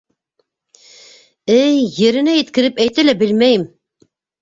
Эээй, еренә еткереп әйтә лә беләмәйем!